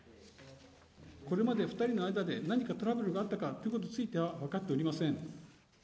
これまで２人の間で何かトラブルがあったかということについては、分かっておりません。